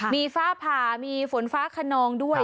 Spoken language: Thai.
มีฟ้าผ่ามีฝนฟ้าขนองด้วย